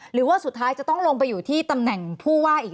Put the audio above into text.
หรือว่าสุดท้ายจะต้องลงไปอยู่ที่ตำแหน่งผู้ว่าอีก